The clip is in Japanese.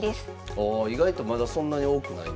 ああ意外とまだそんなに多くないんですね。